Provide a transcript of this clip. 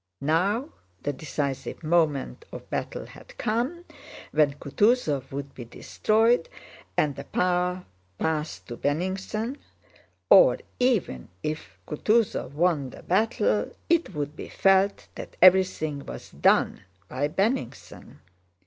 Now the decisive moment of battle had come when Kutúzov would be destroyed and the power pass to Bennigsen, or even if Kutúzov won the battle it would be felt that everything was done by Bennigsen.